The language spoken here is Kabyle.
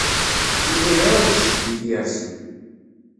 Yuba iεawed ccedd i tyersi.